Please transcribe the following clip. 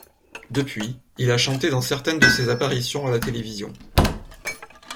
Depuis, il a chanté dans certaines de ses apparitions à la télévision.